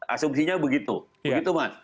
asumsinya begitu begitu mas